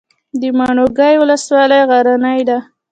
د ماڼوګي ولسوالۍ غرنۍ ده